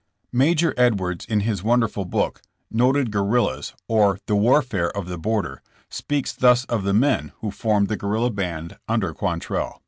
'' Major Edwards, in his wonderful book, '^ Noted Guerrillas, or the Warfare of the Border," speaks thus of the men who formed the guerrilla band under Quantrell.